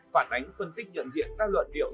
phản ánh phân tích nhận diện các luận điệu